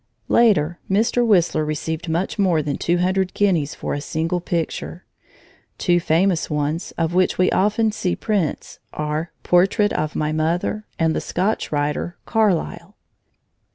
Later, Mr. Whistler received much more than two hundred guineas for a single picture. Two famous ones, of which we often see prints, are "Portrait of my Mother" and the Scotch writer, "Carlyle."